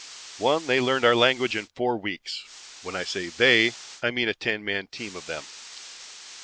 "One, they learned our language in four weeks. When I say they, I mean a ten man team of them.